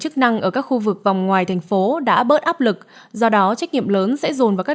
chức năng ở các khu vực vòng ngoài thành phố đã bớt áp lực do đó trách nhiệm lớn sẽ dồn vào các